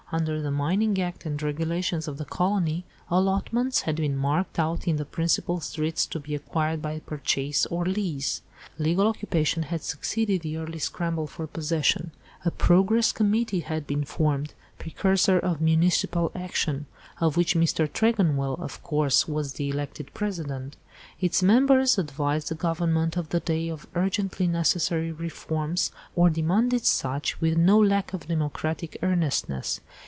Under the Mining Act and Regulations of the colony, allotments had been marked out in the principal streets to be acquired by purchase or lease. Legal occupation had succeeded the early scramble for possession. A Progress Committee had been formed, precursor of municipal action, of which Mr. Tregonwell, of course, was the elected President. Its members advised the Government of the day of urgently necessary reforms, or demanded such, with no lack of democratic earnestness.